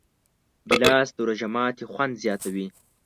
ګیلاس د روژه ماتي خوند زیاتوي.